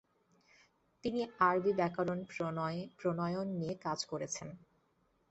তিনি আরবী ব্যাকরণ প্রণয়ন নিয়ে কাজ করেছেন।